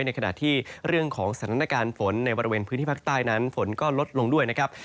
ในขณะที่เรื่องของสถานการณ์ฝนในบริเวณพื้นที่ภาคใต้นั้นฝนก็ลดลงด้วยนะครับ